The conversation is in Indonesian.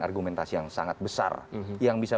argumentasi yang sangat besar yang bisa